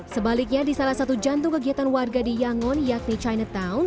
sebaliknya di salah satu jantung kegiatan warga di yangon yakni chinatown